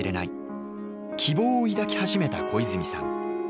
希望を抱き始めた小泉さん。